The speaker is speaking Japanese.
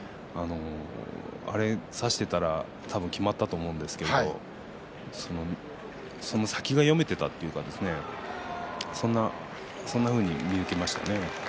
これを差していったら多分きまったと思うんですけれどその先が読めていたそんなふうに見受けましたね。